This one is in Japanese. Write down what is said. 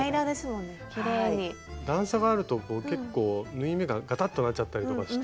段差があると結構縫い目がガタッとなっちゃったりとかして。